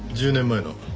１０年前の。